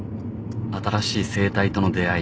新しい生態との出合い。